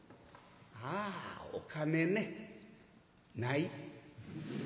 「ああお金ね。ない」。